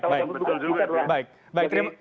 kita sudah berduga dulu kan ya